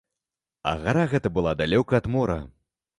А гара гэта была далёка ад мора.